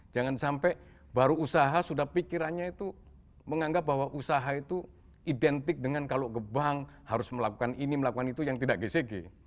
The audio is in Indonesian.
jangan sampai baru usaha sudah pikirannya itu menganggap bahwa usaha itu identik dengan kalau ke bank harus melakukan ini melakukan itu yang tidak gcg